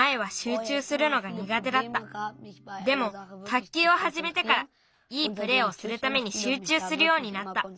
でも卓球をはじめてからいいプレーをするためにしゅうちゅうするようになった。